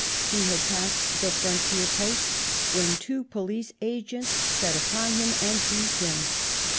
He had passed the frontier post, when two police agents set upon him and seized him.